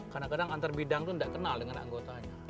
karena kadang antar bidang itu tidak kenal dengan anggotanya